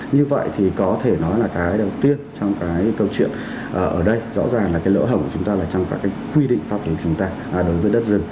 như vậy thì có thể nói là cái đầu tiên trong cái câu chuyện ở đây rõ ràng là cái lỗ hổng của chúng ta là trong các quy định pháp của chúng ta đối với đất rừng